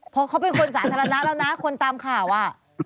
เพราะเขาเป็นคนสาธารณะแล้วนะคนตามข่าวอ่ะ